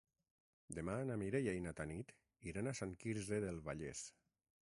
Demà na Mireia i na Tanit iran a Sant Quirze del Vallès.